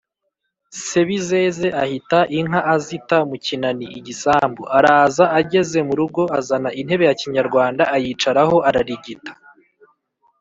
Sebizeze ahita inka azita mu kinani(igisambu) araza, ageze mu rugo azana intebe ya Kinyarwanda ayicaraho ararigita.